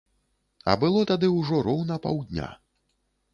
А было тады ўжо роўна паўдня.